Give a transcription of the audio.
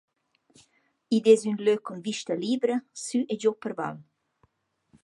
Id es ün lö cun vista libra sü e giò per val.